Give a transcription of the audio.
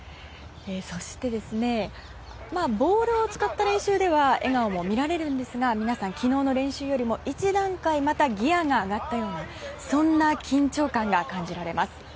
そして今、ボールを使った練習では笑顔も見られるんですが皆さん、昨日の練習よりも一段階ギアが上がったようなそんな緊張感が感じられます。